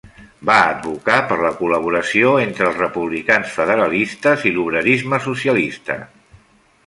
Va advocar per la col·laboració entre els republicans federalistes i l'obrerisme socialista.